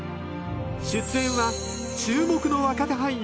出演は注目の若手俳優